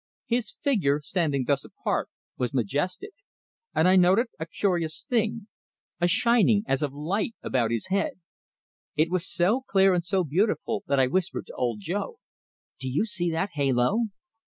His figure, standing thus apart, was majestic; and I noted a curious thing a shining as of light about his head. It was so clear and so beautiful that I whispered to Old Joe: "Do you see that halo?"